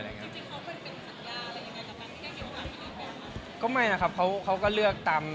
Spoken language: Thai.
จริงเขาเคยเป็นสัญญาอะไรยังไงกับการที่แกเก็บหวัดพิโรแกรม